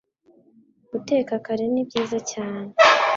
Guteka kare nibyiza cyane